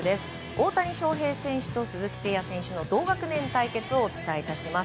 大谷翔平選手と鈴木誠也選手の同学年対決をお伝えいたします。